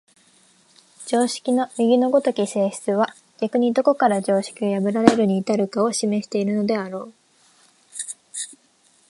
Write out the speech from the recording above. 常識の右の如き性質は逆にどこから常識が破られるに至るかを示しているであろう。